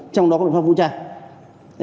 trong đó có biện pháp vũ trang